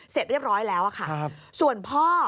เสร็จเรียบร้อยแล้วค่ะส่วนพ่อ